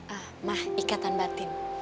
ah mah ikatan batin